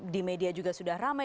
di media juga sudah ramai